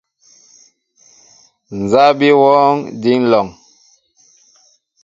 Nza bi wɔɔŋ, din lɔŋ ?